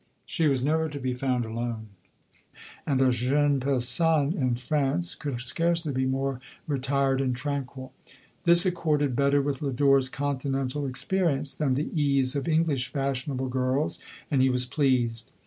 She was never to be found alone, LODORE. 109 and a jeune persomie in France could scarcely be more retired and tranquil. This accorded better with Lodore's continental experience, than the ease of English fashionable girls, and he was pleased.